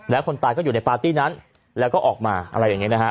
แล้วคนตายก็อยู่ในปาร์ตี้นั้นแล้วก็ออกมาอะไรอย่างนี้นะฮะ